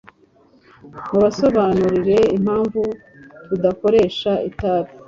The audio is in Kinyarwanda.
Mubasobanurire impamvu tudakoresha itabi